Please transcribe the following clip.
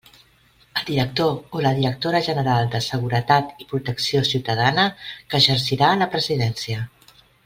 El director o la directora general de Seguretat i Protecció Ciutadana que exercirà la presidència.